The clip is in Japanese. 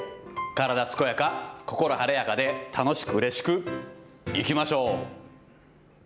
体健やか、心晴れやかで、楽しくうれしくいきましょう。